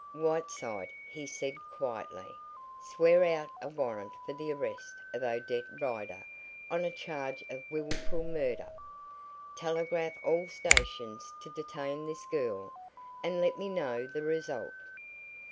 "Whiteside," he said quietly, "swear out a warrant for the arrest of Odette Rider on a charge of wilful murder. Telegraph all stations to detain this girl, and let me know the result."